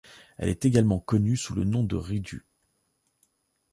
Il est également connu sous le nom de riddu.